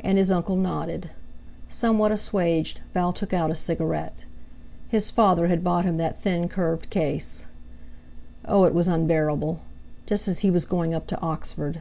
And his uncle nodded. Somewhat assuaged, Val took out a cigarette. His father had bought him that thin curved case. Oh! it was unbearable—just as he was going up to Oxford!